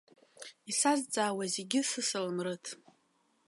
Исазҵаауа зегьы сысалам рыҭ.